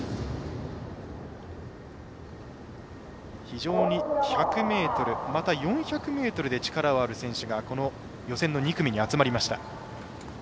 非常に１００ｍまた４００ｍで力のある選手がこの予選の２組に集まりました。